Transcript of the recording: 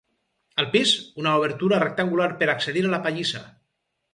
Al pis, una obertura rectangular per accedir a la pallissa.